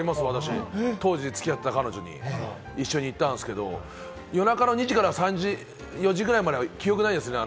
当時つき合っていた彼女と一緒に行ったんですけど、夜中の２時から３時、４時ぐらいまでは記憶ないですね。